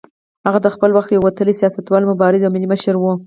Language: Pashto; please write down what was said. هغه د خپل وخت یو وتلی سیاستوال، مبارز او ملي مشر و.